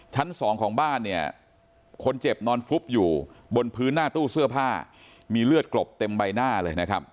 ชั้นสองของบ้านเนี่ยคนเจ็บนอนฟุบอยู่บนพื้นหน้าตู้เสื้อผ้ามีเลือดกลบเต็มใบหน้าเลยนะครับ